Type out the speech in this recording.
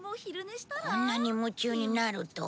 こんなに夢中になるとは。